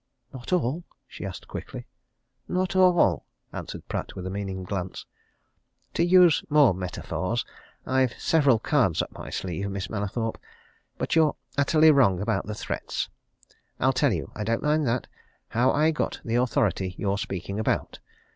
"Not all?" she asked quickly. "Not all," answered Pratt with a meaning glance. "To use more metaphors I've several cards up my sleeve, Miss Mallathorpe. But you're utterly wrong about the threats. I'll tell you I don't mind that how I got the authority you're speaking about.